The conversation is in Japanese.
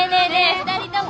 ２人とも。